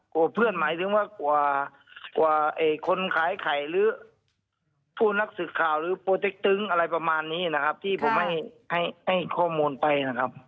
เพื่อนหมายถึงว่ากว่าคนขายไข่หรือผู้นักศึกข่าวหรือโปรเต็กตึงอะไรประมาณนี้นะครับที่ผมให้ให้ข้อมูลไปนะครับ